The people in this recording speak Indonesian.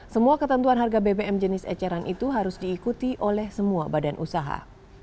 semua ketentuan harga bbm jenis eceran itu harus diikuti oleh semua badan usaha